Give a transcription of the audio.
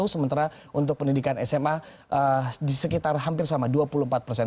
sementara untuk pendidikan sma di sekitar hampir sama dua puluh empat persen